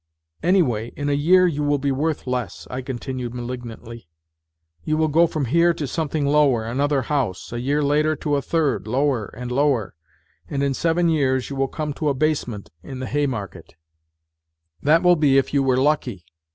"" Anyway, in a year you will be worth less," I continued malignantly. " You will go from here to something lower, an other house ; a year later to a third, lower and lower, and in seven years you will come to a basement in the Haymarket. 122 NOTES FROM UNDERGROUND That will be if you were lucky.